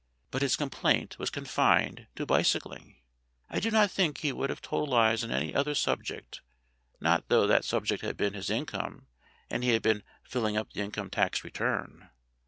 But his complaint was confined to bicycling; I do not think he would have told lies on any other subject, not though that subject had been his income and he had been filling up the income tax return.